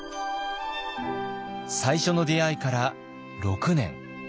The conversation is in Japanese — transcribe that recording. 最初の出会いから６年。